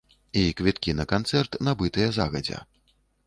І квіткі на канцэрт, набытыя загадзя.